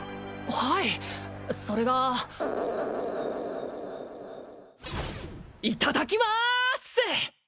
はいそれがいただきまーす！